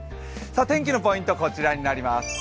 天気のポイント、こちらになります。